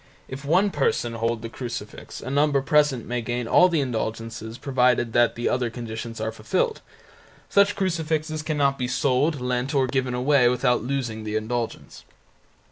If one person hold the crucifix, a number present may gain the indulgences provided the other conditions are fulfilled by all. Such crucifixes cannot be sold, lent, or given away, without losing the indulgence.